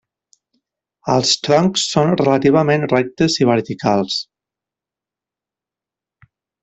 Els troncs són relativament rectes i verticals.